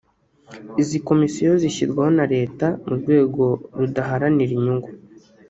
izi Komisiyo zishyirwaho na Leta mu rwego rudaharanira inyungu